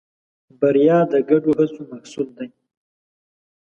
بریا د ګډو هڅو محصول ده.